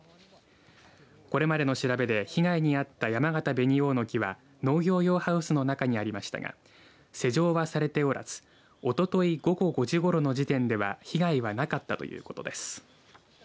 これまでの調べで被害に遭ったやまがた紅王の木は農業用ハウスの中にありましたが施錠はされておらずおととい午後５時ごろの時点では被害はなかったということです。